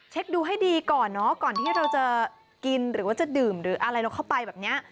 ดูให้ดีก่อนเนอะก่อนที่เราจะกินหรือว่าจะดื่มหรืออะไรเราเข้าไปแบบนี้